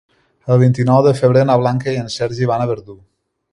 El vint-i-nou de febrer na Blanca i en Sergi van a Verdú.